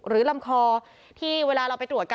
หรือลำคลอ่ะที่เวลาเราไปตรวจกัน